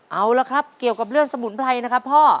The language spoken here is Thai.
เอาละครับเกี่ยวกับเรื่องสมุนไพรนะครับพ่อ